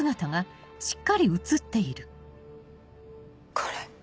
これ。